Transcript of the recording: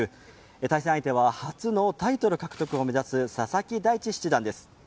対戦相手は初のタイトル獲得を目指す佐々木大地七段です。